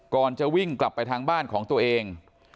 ก่อนจะวิ่งกลับไปทางบ้านของตัวเอง